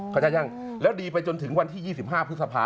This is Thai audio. เขาจะยั่งแล้วดีไปจนถึงวันที่๒๕พฤษภา